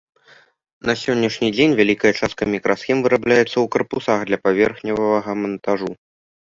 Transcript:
На сённяшні дзень вялікая частка мікрасхем вырабляецца ў карпусах для паверхневага мантажу.